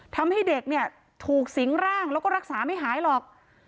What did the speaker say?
ทำให้เด็กเนี่ยถูกสิงร่างแล้วก็รักษาไม่หายหรอก